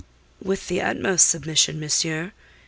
"With the utmost submission, monsieur.